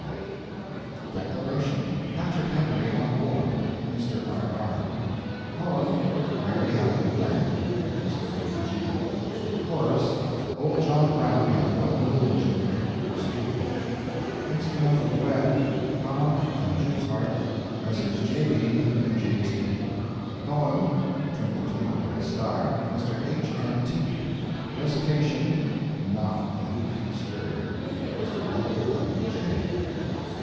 T." Declamation—Patrick Henry on War... Mr. R. R. Poem—Mary Had a little Lamb... Mr. O. G. Chorus—Old John Brown had One little Injun ... School Instrumental Duett—Comb and Jewsharp... Messrs. J. B. & J. T. Poem—Twinkle, twinkle, little Star... Mr. H. M. T. Recitation—Not a leaf stirred... Mr. W. W. J.